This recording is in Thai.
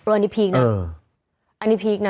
อันนี้พีคนะอันนี้พีคนะ